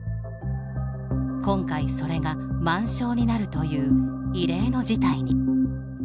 今回、それが満床になるという異例の事態に。